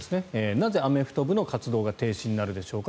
なぜ、アメフト部の活動が停止になるのでしょうか。